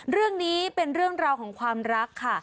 เรื่องนี้เป็นเรื่องราวของความรักค่ะ